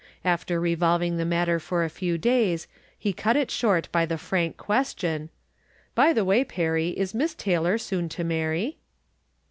After revolving the matter for a few days, he cut it short by the frank question :" By the way. Perry, is Miss Taylor soon to marry